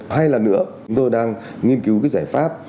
hay là nữa chúng tôi đang nghiên cứu cái giải pháp